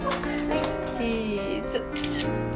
はいチーズ。